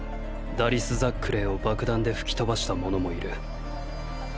ダリス・ザックレーを爆弾で吹き飛ばした者もいる。